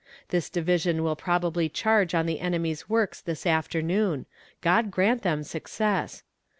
This division will probably charge on the enemy's works this afternoon. God grant them success!